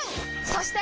そして！